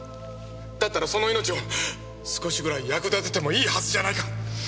だったらその命を少しぐらい役立ててもいいはずじゃないか！